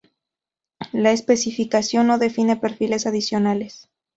La especificación no define perfiles adicionales.